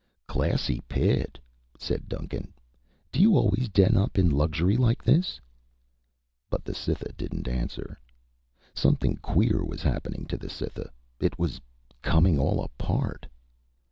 "Classy pit," said Duncan. "Do you always den up in luxury like this?" But the Cytha didn't answer. Something queer was happening to the Cytha. It was coming all apart.